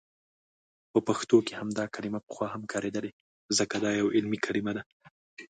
په پښتو کې همدا کلمه پخوا هم کاریدلي، ځکه دا یو علمي کلمه ده.